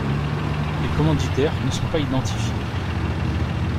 Les commanditaires ne sont pas identifiés.